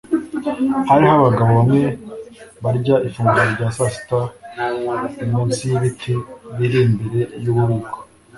Hariho abagabo bamwe barya ifunguro rya sasita munsi yibiti biri imbere yububiko